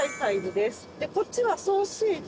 でこっちはソーセージ。